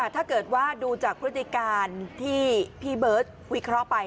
ถ้าเกิดว่าดูจากพฤติการที่พี่เบิร์ตวิเคราะห์ไป